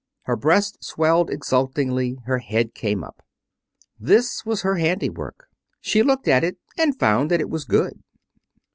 Her breast swelled exultingly. Her head came up. This was her handiwork. She looked at it, and found that it was good.